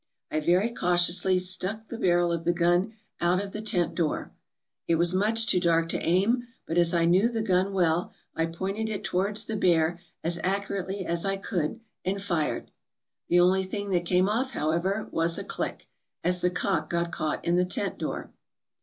I very cautiously stuck the barrel of the gun out of the tent door. It was much too dark to aim, but as I knew the gun well, I pointed it towards the bear as accurately as I could, and fired. The only thing that came off, however, was a click, as the cock caught in the tent door.